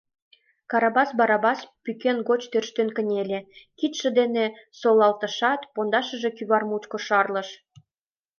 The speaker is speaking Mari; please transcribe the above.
— Карабас Барабас пӱкен гыч тӧрштен кынеле, кидше дене солалтышат, пондашыже кӱвар мучко шарлыш.